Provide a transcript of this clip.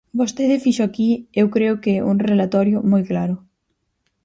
Vostede fixo aquí eu creo que un relatorio moi claro.